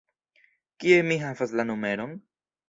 Kie mi havas la numeron?